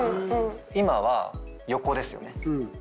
今は横ですよね。